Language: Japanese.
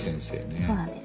そうなんです。